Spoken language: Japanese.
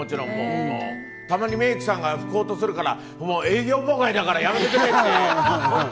たまにメイクさんが拭こうとするから、営業妨害だからやめてくれって。